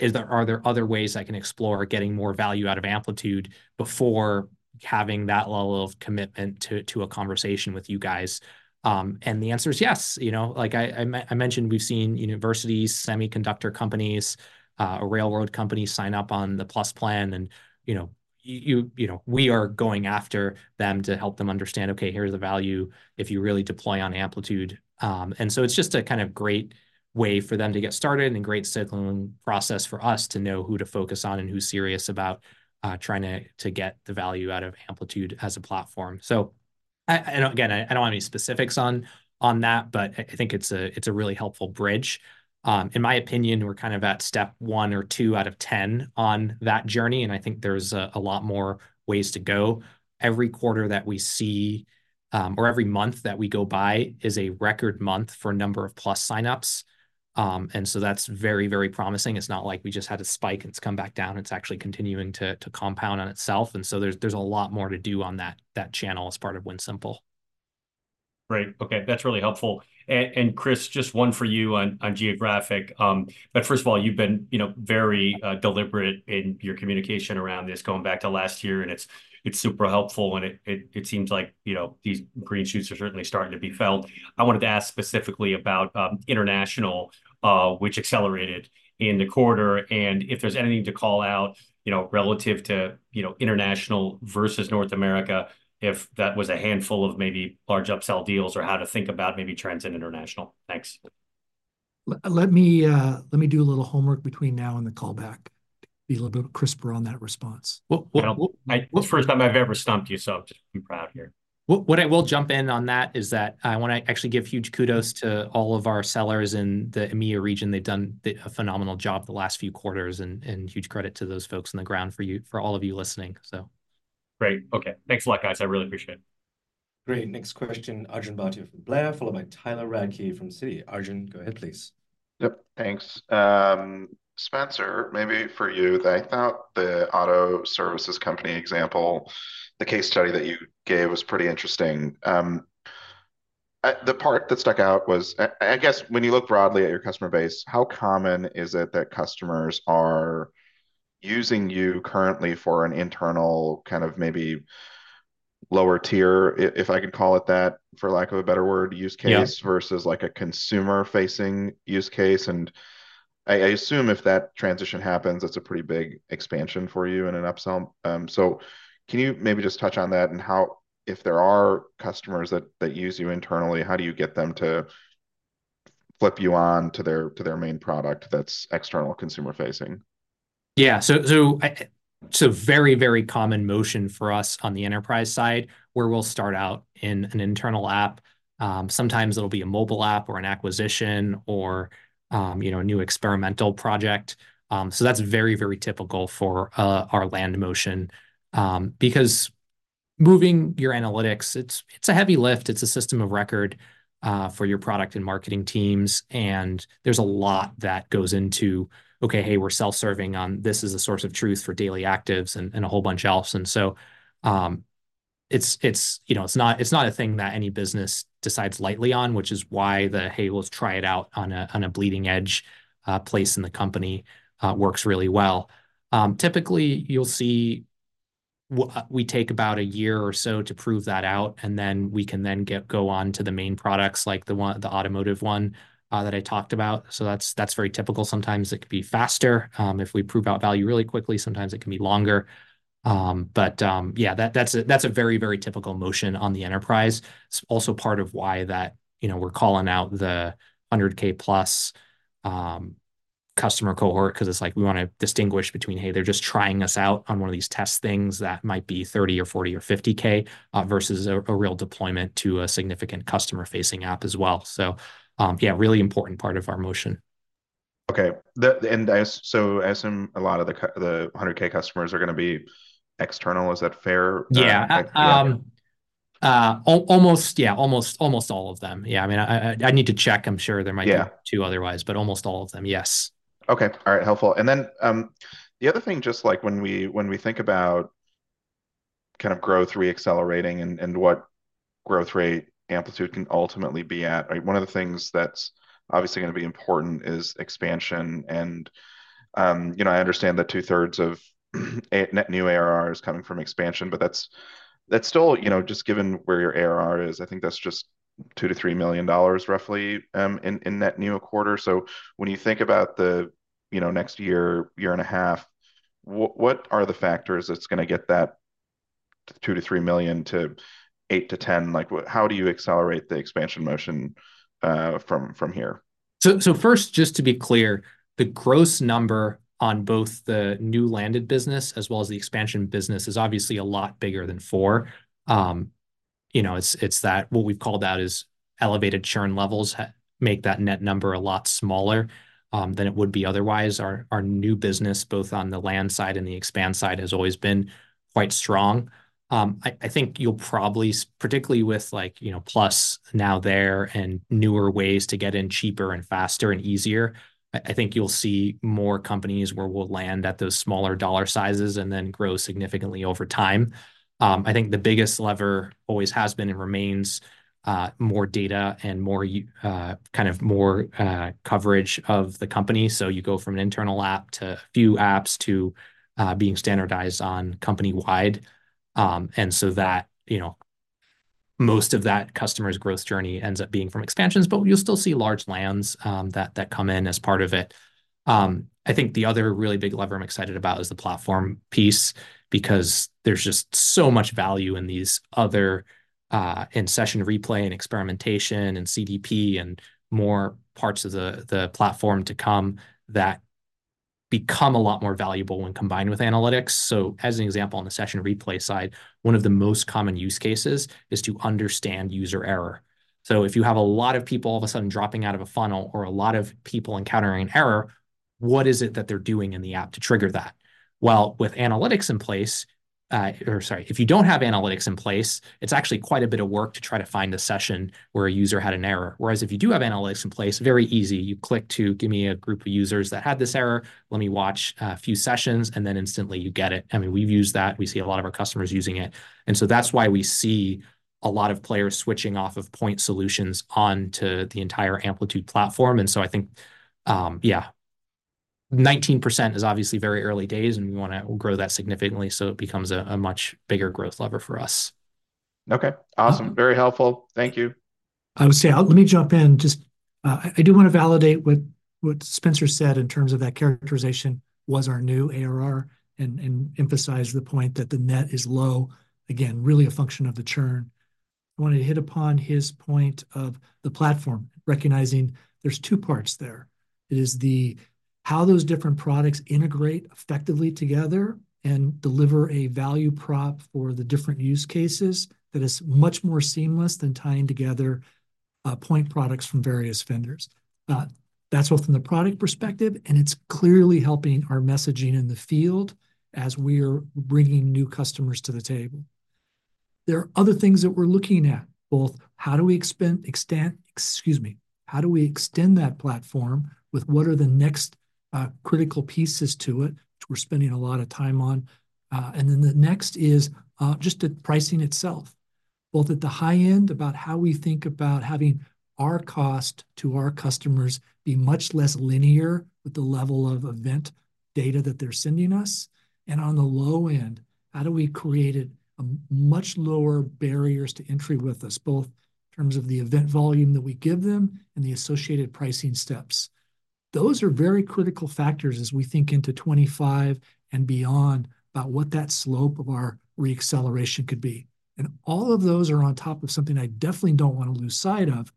are there other ways I can explore getting more value out of Amplitude before having that level of commitment to a conversation with you guys? And the answer is yes. I mentioned we've seen universities, semiconductor companies, railroad companies sign up on the Plus plan. We are going after them to help them understand, okay, here's the value if you really deploy on Amplitude. And so it's just a kind of great way for them to get started and great cycling process for us to know who to focus on and who's serious about trying to get the value out of Amplitude as a platform. So again, I don't have any specifics on that, but I think it's a really helpful bridge. In my opinion, we're kind of at step 1 or 2 out of 10 on that journey. And I think there's a lot more ways to go. Every quarter that we see or every month that we go by is a record month for a number of Plus signups. And so that's very, very promising. It's not like we just had a spike and it's come back down. It's actually continuing to compound on itself. And so there's a lot more to do on that channel as part of Win Simple. Great. Okay. That's really helpful. And Criss, just one for you on geographic. But first of all, you've been very deliberate in your communication around this, going back to last year. And it's super helpful. And it seems like these green shoots are certainly starting to be felt. I wanted to ask specifically about international, which accelerated in the quarter. And if there's anything to call out relative to international versus North America, if that was a handful of maybe large upsell deals or how to think about maybe trends in international. Thanks. Let me do a little homework between now and the callback to be a little bit crisper on that response. Well, first time I've ever stumped you, so I'm just proud here. What I will jump in on that is that I want to actually give huge kudos to all of our sellers in the EMEA region. They've done a phenomenal job the last few quarters. Huge credit to those folks on the ground for all of you listening, so. Great. Okay. Thanks a lot, guys. I really appreciate it. Great. Next question, Arjun Bhatia from Blair, followed by Tyler Radke from Citi. Arjun, go ahead, please. Yep. Thanks. Spenser, maybe for you, take the auto services company example. The case study that you gave was pretty interesting. The part that stuck out was, I guess, when you look broadly at your customer base, how common is it that customers are using you currently for an internal kind of maybe lower tier, if I can call it that, for lack of a better word, use case versus a consumer-facing use case? And I assume if that transition happens, that's a pretty big expansion for you in an upsell. So can you maybe just touch on that and how, if there are customers that use you internally, how do you get them to flip you on to their main product that's external consumer-facing? Yeah. So it's a very, very common motion for us on the enterprise side where we'll start out in an internal app. Sometimes it'll be a mobile app or an acquisition or a new experimental project. So that's very, very typical for our land motion because moving your analytics, it's a heavy lift. It's a system of record for your product and marketing teams. And there's a lot that goes into, okay, hey, we're self-serving on this as a source of truth for daily actives and a whole bunch else. And so it's not a thing that any business decides lightly on, which is why the, hey, let's try it out on a bleeding edge place in the company works really well. Typically, you'll see we take about a year or so to prove that out. And then we can then go on to the main products like the automotive one that I talked about. So that's very typical. Sometimes it could be faster. If we prove out value really quickly, sometimes it can be longer. But yeah, that's a very, very typical motion on the enterprise. It's also part of why we're calling out the $100,000+ customer cohort because it's like we want to distinguish between, hey, they're just trying us out on one of these test things that might be $30,000 or $40,000 or $50,000 versus a real deployment to a significant customer-facing app as well. So yeah, really important part of our motion. Okay. And so I assume a lot of the 100,000 customers are going to be external. Is that fair? Yeah. Yeah, almost all of them. Yeah. I mean, I need to check. I'm sure there might be two otherwise, but almost all of them, yes. Okay. All right. Helpful. And then the other thing, just like when we think about kind of growth reaccelerating and what growth rate Amplitude can ultimately be at, one of the things that's obviously going to be important is expansion. And I understand that two-thirds of net new ARR is coming from expansion, but that's still just given where your ARR is, I think that's just $2-$3 million, roughly, in net new a quarter. So when you think about the next year, year and a half, what are the factors that's going to get that $2-$3 million to $8-$10 million? How do you accelerate the expansion motion from here? So, first, just to be clear, the gross number on both the new landed business as well as the expansion business is obviously a lot bigger than 4. It's that what we've called out as elevated churn levels make that net number a lot smaller than it would be otherwise. Our new business, both on the land side and the expand side, has always been quite strong. I think you'll probably, particularly with Plus now there and newer ways to get in cheaper and faster and easier, I think you'll see more companies where we'll land at those smaller dollar sizes and then grow significantly over time. I think the biggest lever always has been and remains more data and kind of more coverage of the company. So you go from an internal app to a few apps to being standardized on company-wide. And so most of that customer's growth journey ends up being from expansions, but you'll still see large lands that come in as part of it. I think the other really big lever I'm excited about is the platform piece because there's just so much value in these other in Session Replay and experimentation and CDP and more parts of the platform to come that become a lot more valuable when combined with analytics. So as an example, on the Session Replay side, one of the most common use cases is to understand user error. So if you have a lot of people all of a sudden dropping out of a funnel or a lot of people encountering error, what is it that they're doing in the app to trigger that? Well, with analytics in place or sorry, if you don't have analytics in place, it's actually quite a bit of work to try to find a session where a user had an error. Whereas if you do have analytics in place, very easy, you click to give me a group of users that had this error. Let me watch a few sessions, and then instantly you get it. I mean, we've used that. We see a lot of our customers using it. And so that's why we see a lot of players switching off of point solutions onto the entire Amplitude platform. And so I think, yeah, 19% is obviously very early days, and we want to grow that significantly so it becomes a much bigger growth lever for us. Okay. Awesome. Very helpful. Thank you. I would say let me jump in. I do want to validate what Spenser said in terms of that characterization was our new ARR and emphasize the point that the net is low, again, really a function of the churn. I wanted to hit upon his point of the platform, recognizing there's two parts there. It is how those different products integrate effectively together and deliver a value prop for the different use cases that is much more seamless than tying together point products from various vendors. That's both from the product perspective, and it's clearly helping our messaging in the field as we are bringing new customers to the table. There are other things that we're looking at, both how do we extend excuse me, how do we extend that platform with what are the next critical pieces to it, which we're spending a lot of time on? Then the next is just the pricing itself, both at the high end about how we think about having our cost to our customers be much less linear with the level of event data that they're sending us. And on the low end, how do we create much lower barriers to entry with us, both in terms of the event volume that we give them and the associated pricing steps? Those are very critical factors as we think into 2025 and beyond about what that slope of our reacceleration could be. And all of those are on top of something I definitely don't want to lose sight of,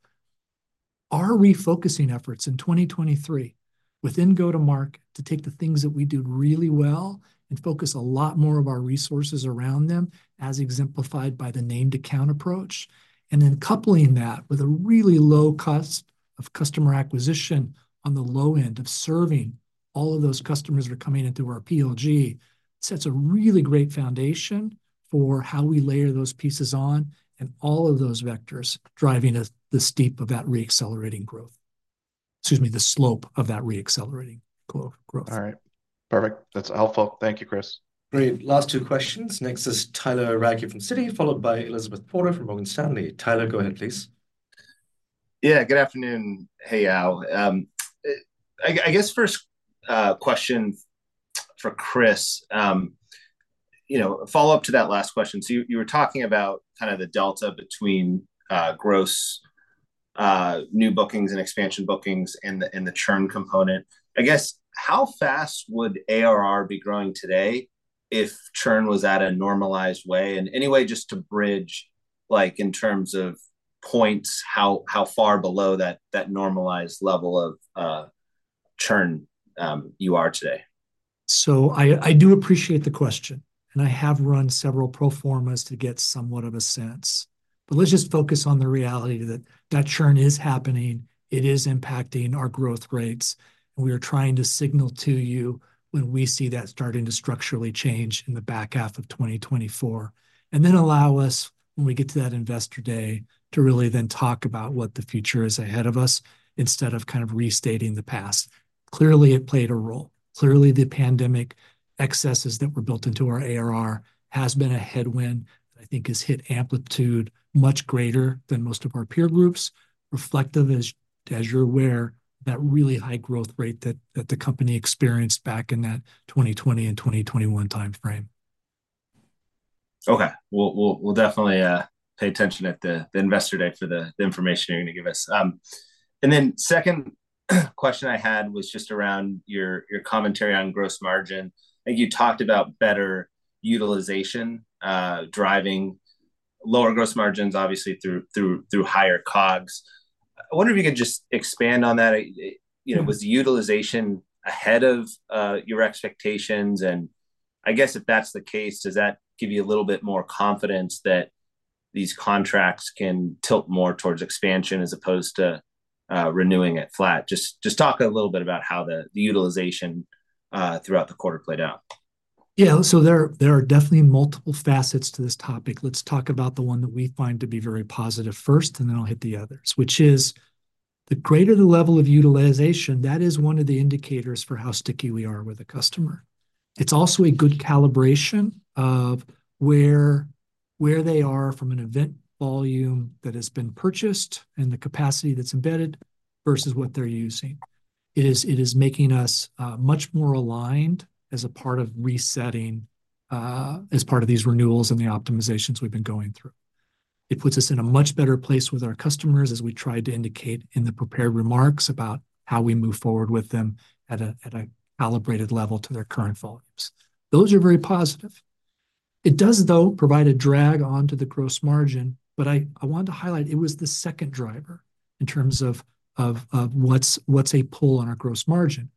our refocusing efforts in 2023 within go-to-market to take the things that we do really well and focus a lot more of our resources around them, as exemplified by the named account approach, and then coupling that with a really low cost of customer acquisition on the low end of serving all of those customers that are coming in through our PLG. It sets a really great foundation for how we layer those pieces on and all of those vectors driving the steep of that reaccelerating growth, excuse me, the slope of that reaccelerating growth. All right. Perfect. That's helpful. Thank you, Criss. Great. Last two questions. Next is Tyler Radke from Citi, followed by Elizabeth Porter from Morgan Stanley. Tyler, go ahead, please. Yeah. Good afternoon. Hey, all. I guess first question for Criss, follow-up to that last question. So you were talking about kind of the delta between gross new bookings and expansion bookings and the churn component. I guess, how fast would ARR be growing today if churn was at a normalized way? And anyway, just to bridge in terms of points, how far below that normalized level of churn you are today? So I do appreciate the question. And I have run several pro formas to get somewhat of a sense. But let's just focus on the reality that that churn is happening. It is impacting our growth rates. And we are trying to signal to you when we see that starting to structurally change in the back half of 2024. And then allow us, when we get to that Investor Day, to really then talk about what the future is ahead of us instead of kind of restating the past. Clearly, it played a role. Clearly, the pandemic excesses that were built into our ARR has been a headwind that I think has hit Amplitude much greater than most of our peer groups, reflective, as you're aware, that really high growth rate that the company experienced back in that 2020 and 2021 timeframe. Okay. We'll definitely pay attention at the Investor Day for the information you're going to give us. And then second question I had was just around your commentary on gross margin. I think you talked about better utilization driving lower gross margins, obviously, through higher COGS. I wonder if you could just expand on that. Was the utilization ahead of your expectations? And I guess if that's the case, does that give you a little bit more confidence that these contracts can tilt more towards expansion as opposed to renewing at flat? Just talk a little bit about how the utilization throughout the quarter played out. Yeah. So there are definitely multiple facets to this topic. Let's talk about the one that we find to be very positive first, and then I'll hit the others, which is the greater the level of utilization, that is one of the indicators for how sticky we are with a customer. It's also a good calibration of where they are from an event volume that has been purchased and the capacity that's embedded versus what they're using. It is making us much more aligned as a part of resetting as part of these renewals and the optimizations we've been going through. It puts us in a much better place with our customers as we tried to indicate in the prepared remarks about how we move forward with them at a calibrated level to their current volumes. Those are very positive. It does, though, provide a drag onto the gross margin. But I wanted to highlight it was the second driver in terms of what's a pull on our gross margin.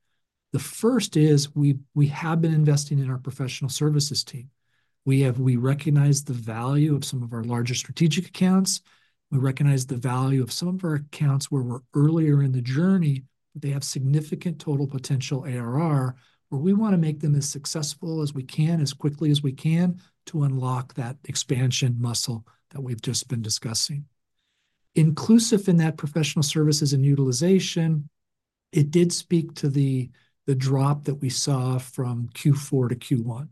The first is we have been investing in our professional services team. We recognize the value of some of our larger strategic accounts. We recognize the value of some of our accounts where we're earlier in the journey, but they have significant total potential ARR where we want to make them as successful as we can, as quickly as we can to unlock that expansion muscle that we've just been discussing. Inclusive in that professional services and utilization, it did speak to the drop that we saw from Q4 to Q1.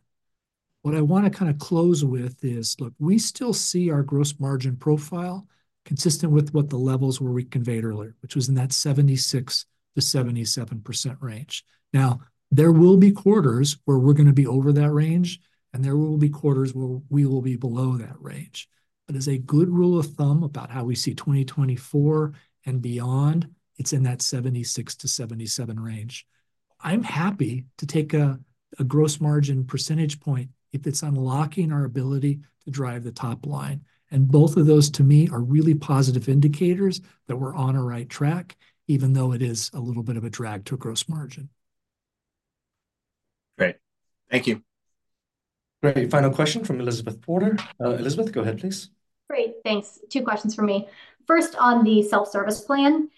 What I want to kind of close with is, look, we still see our gross margin profile consistent with what the levels were we conveyed earlier, which was in that 76%-77% range. Now, there will be quarters where we're going to be over that range, and there will be quarters where we will be below that range. But as a good rule of thumb about how we see 2024 and beyond, it's in that 76%-77% range. I'm happy to take a gross margin percentage point if it's unlocking our ability to drive the top line. And both of those, to me, are really positive indicators that we're on a right track, even though it is a little bit of a drag to a gross margin. Great. Thank you. Great. Final question from Elizabeth Porter. Elizabeth, go ahead, please. Great. Thanks. Two questions for me. First, on the self-service plan,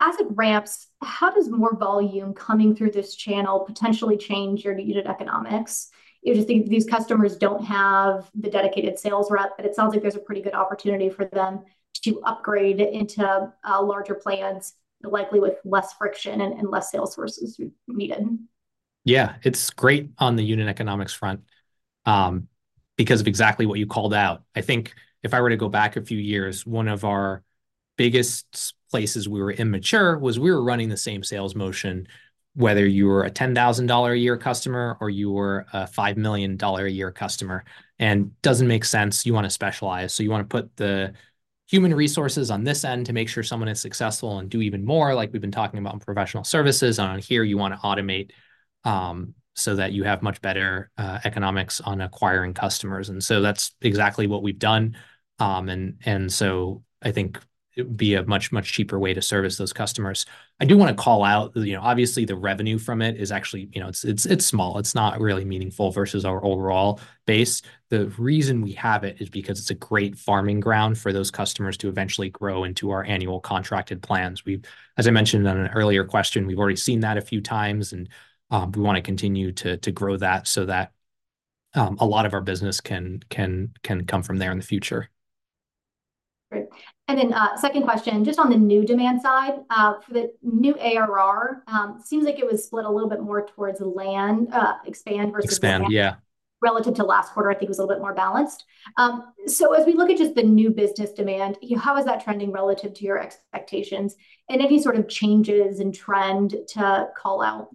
as it ramps, how does more volume coming through this channel potentially change your unit economics? I just think these customers don't have the dedicated sales rep, but it sounds like there's a pretty good opportunity for them to upgrade into larger plans, likely with less friction and less sales force needed. Yeah. It's great on the unit economics front because of exactly what you called out. I think if I were to go back a few years, one of our biggest places we were immature was we were running the same sales motion, whether you were a $10,000-a-year customer or you were a $5 million-a-year customer. It doesn't make sense. You want to specialize. You want to put the human resources on this end to make sure someone is successful and do even more, like we've been talking about in professional services. On here, you want to automate so that you have much better economics on acquiring customers. That's exactly what we've done. I think it would be a much, much cheaper way to service those customers. I do want to call out, obviously, the revenue from it is actually. It's small. It's not really meaningful versus our overall base. The reason we have it is because it's a great farming ground for those customers to eventually grow into our annual contracted plans. As I mentioned on an earlier question, we've already seen that a few times, and we want to continue to grow that so that a lot of our business can come from there in the future. Great. And then second question, just on the new demand side, for the new ARR, it seems like it was split a little bit more towards land expand versus land. Expand, yeah. Relative to last quarter, I think, was a little bit more balanced. So as we look at just the new business demand, how is that trending relative to your expectations? And any sort of changes in trend to call out?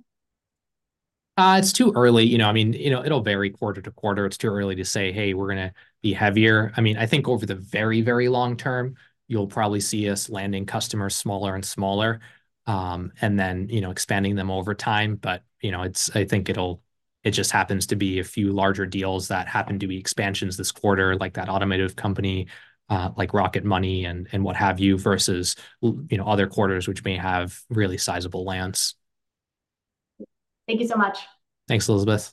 It's too early. I mean, it'll vary quarter to quarter. It's too early to say, "Hey, we're going to be heavier." I mean, I think over the very, very long term, you'll probably see us landing customers smaller and smaller and then expanding them over time. But I think it just happens to be a few larger deals that happen to be expansions this quarter, like that automotive company like Rocket Money and what have you versus other quarters which may have really sizable lands. Thank you so much. Thanks, Elizabeth.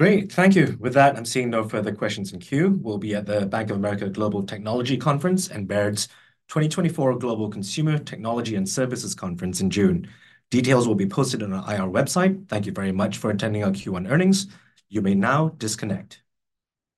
Great. Thank you. With that, I'm seeing no further questions in queue. We'll be at the Bank of America Global Technology Conference and Baird's 2024 Global Consumer Technology and Services Conference in June. Details will be posted on our IR website. Thank you very much for attending our Q1 earnings. You may now disconnect.